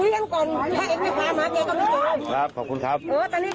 หรอกแต่เราก็ต้องดูแลเขา